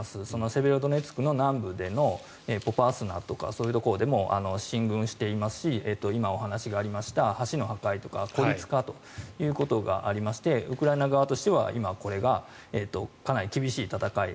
セベロドネツクの南部とかそういうところでも進軍していますし今、お話がありました橋の破壊とか孤立化ということがあってウクライナとしては今、これがかなり厳しい戦い